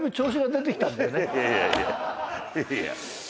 いやいや。